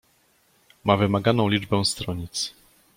"Ma wymaganą liczbę stronic."